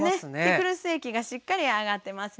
ピクルス液がしっかり上がってますね。